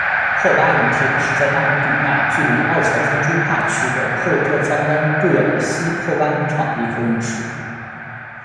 霍巴陨铁是在纳米比亚距离奥乔宗朱帕区的赫鲁特方丹不远的西霍巴农场的一颗陨石。